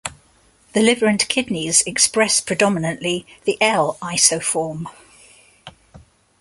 The liver and kidneys express predominantly the L isoform.